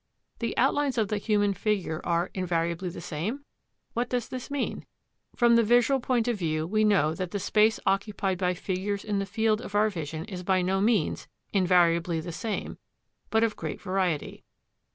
The outlines of the human figure are "invariably the same"? What does this mean? From the visual point of view we know that the space occupied by figures in the field of our vision is by no means "invariably the same," but of great variety.